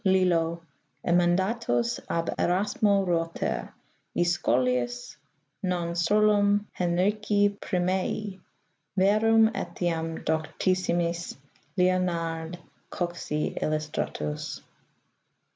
Lilio, emendatus ab Erasmo Roter: & scholiis, non solum Henrici Primaei, verum etiam doctissimis Leonar : Coxi illustratus.